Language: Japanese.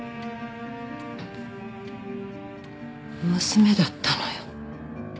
娘だったのよ。